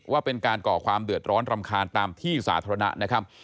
ว่าเป็นการก่อความเดือดร้อนรำคาญตามที่สาธารณะนะครับ